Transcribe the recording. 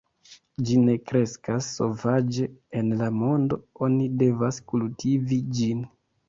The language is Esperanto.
Ĝi ne kreskas sovaĝe en la mondo; oni devas kultivi ĝin.